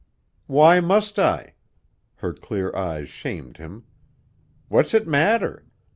"Why must I?" Her clear eyes shamed him. "What's it matter?